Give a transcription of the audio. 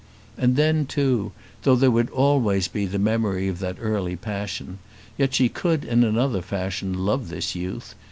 And then, too, though there would always be the memory of that early passion, yet she could in another fashion love this youth.